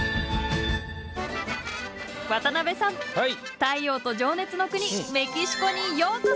太陽と情熱の国メキシコにようこそ！